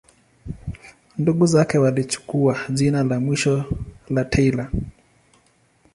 Ndugu zake walichukua jina la mwisho la Taylor.